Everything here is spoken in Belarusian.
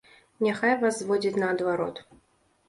Няхай вас зводзяць наадварот.